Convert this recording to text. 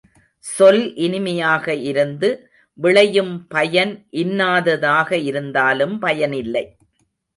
சொல் இனிமையாக இருந்து விளையும் பயன் இன்னாததாக இருந்தாலும் பயனில்லை.